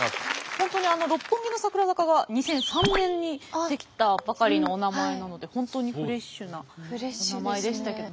本当に六本木のさくら坂が２００３年にできたばかりのお名前なので本当にフレッシュなお名前でしたけど。